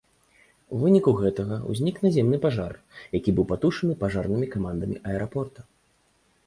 У выніку гэтага ўзнік наземны пажар, які быў патушаны пажарнымі камандамі аэрапорта.